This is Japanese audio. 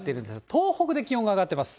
東北で気温が上がっています。